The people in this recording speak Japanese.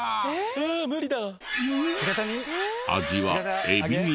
俺無理だ。